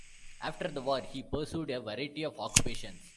After the war, he pursued a variety of occupations.